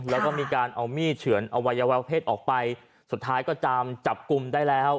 แล้วก็มีการเอามีดเฉือนอวัยวะเพศออกไปสุดท้ายก็ตามจับกลุ่มได้แล้ว